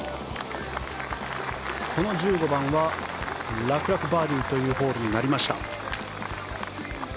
この１５番は楽々バーディーというホールになりました。